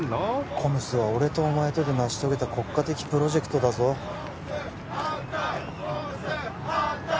ＣＯＭＳは俺とお前とで成し遂げた国家的プロジェクトだぞＣＯＭＳ反対！